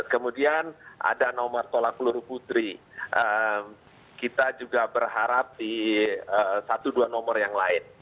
kemudian ada nomor tolak peluru putri kita juga berharap di satu dua nomor yang lain